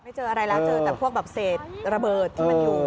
ไม่จอจะออกจากเสร็จระเบิดที่มันอยู่